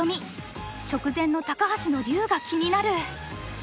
直前の高橋の竜が気になる。